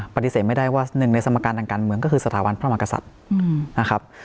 ปฏิเสธไม่ได้ว่าหนึ่งในสมการทางการเมืองก็คือสถาบันพระมกษัตริย์นะครับ